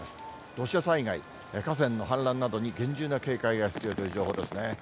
土砂災害、河川の氾濫などに厳重な警戒が必要という情報ですね。